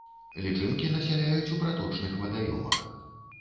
Лічынкі насяляюць у праточных вадаёмах.